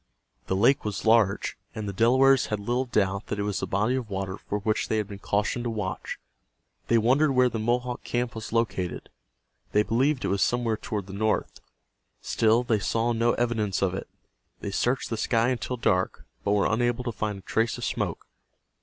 The lake was large, and the Delawares had little doubt that it was the body of water for which they had been cautioned to watch. They wondered where the Mohawk camp was located. They believed it was somewhere toward the north. Still they saw no evidence of it. They searched the sky until dark, but were unable to find a trace of smoke.